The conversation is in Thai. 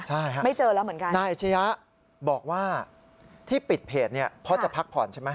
ใช่ครับนายอาชิริยะบอกว่าที่ปิดเพจนี่เพราะจะพักผ่อนใช่ไหม